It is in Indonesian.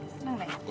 seneng gak ya